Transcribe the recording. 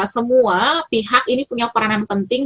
semua pihak ini punya peranan penting